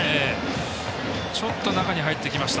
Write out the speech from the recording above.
ちょっと中に入ってきました。